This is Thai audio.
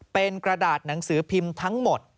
เป็นกระดาษหนังสือพิมพ์ทั้งหมด